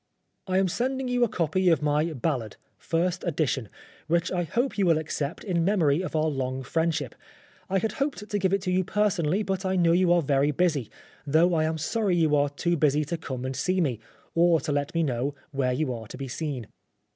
" I am sending you a copy of my Ballad first edition which I hope you will accept in memory of our long friendship. I had hoped to give it to you personally, but I 253 Oscar Wilde know you are very busy, tho' I am sorry you are too busy to come and see me, or to let me know where you are to be seen."